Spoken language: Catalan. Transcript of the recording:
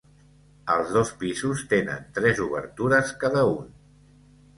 Els dos pisos tenen tres obertures cada un.